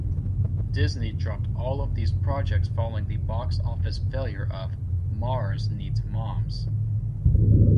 Disney dropped all of these projects following the box-office failure of "Mars Needs Moms".